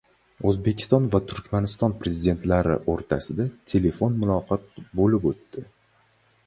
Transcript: O‘zbekiston va Turkmaniston Prezidentlari o‘rtasida telefon muloqoti bo‘lib o‘tdi